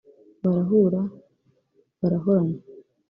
barahura barahorana